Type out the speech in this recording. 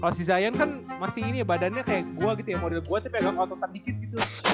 kalo si zion kan masih ini ya badannya kayak gua gitu ya model gua tapi ga ototan dikit gitu